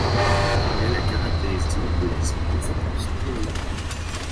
Il a la caractéristique de disputer ses courses pieds-nus.